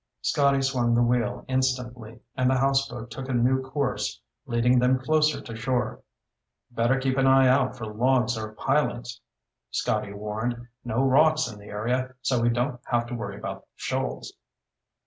Scotty swung the wheel instantly, and the houseboat took a new course, leading them closer to shore. "Better keep an eye out for logs or pilings," Scotty warned. "No rocks in the area, so we don't have to worry about shoals."